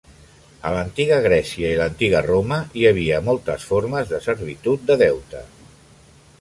A l'antiga Grècia i l'antiga Roma hi havia moltes formes de servitud de deute.